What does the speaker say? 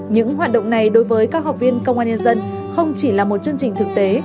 những hoạt động này đối với các học viên công an nhân dân không chỉ là một chương trình thực tế